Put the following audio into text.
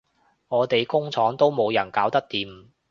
我哋工廠都冇人搞得掂